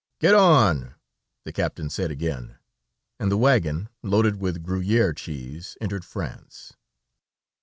"Get on," the captain said again, and the wagon loaded with Gruyère cheese entered France.